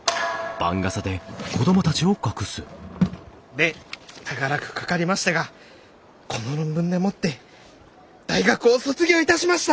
で長らくかかりましたがこの論文でもって大学を卒業いたしました！